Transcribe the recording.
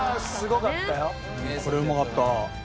これうまかった。